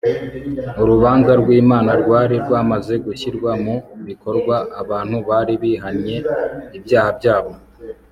Urubanza rwImana rwari rwamaze gushyirwa mu bikorwa abantu bari bihanye ibyaha byabo